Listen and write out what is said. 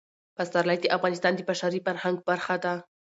پسرلی د افغانستان د بشري فرهنګ برخه ده.